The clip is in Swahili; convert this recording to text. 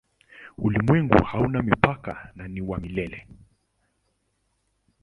Ulimwengu hauna mipaka na ni wa milele.